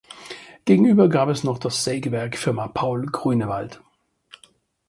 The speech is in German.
Gegenüber gab es noch das Sägewerk Firma Paul Grünewald.